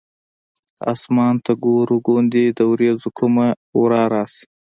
اسمان ته ګورو ګوندې د ورېځو کومه ورا راشي.